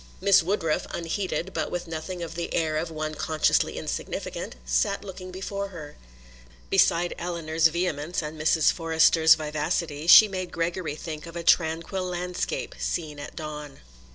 Miss Woodruff, unheeded, but with nothing of the air of one consciously insignificant, sat looking before her. Beside Eleanor's vehemence and Mrs. Forrester's vivacity she made Gregory think of a tranquil landscape seen at dawn.